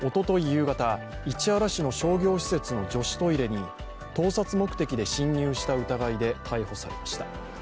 夕方、市原市の商業施設の女子トイレに盗撮目的で侵入した疑いで逮捕されました。